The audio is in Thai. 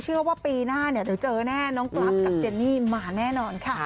เชื่อว่าปีหน้าเนี่ยเดี๋ยวเจอแน่น้องกรัฟกับเจนนี่มาแน่นอนค่ะ